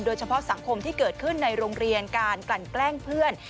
สังคมที่เกิดขึ้นในโรงเรียนการกลั่นแกล้งเพื่อน